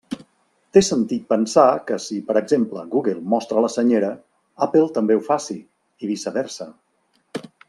Té sentit pensar que si, per exemple, Google mostra la Senyera, Apple també ho faci, i viceversa.